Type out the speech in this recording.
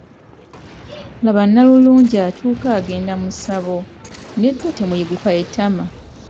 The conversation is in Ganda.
Laba nnalulungi atuuka agenda mu ssabo, nedda temuyiguka ettama!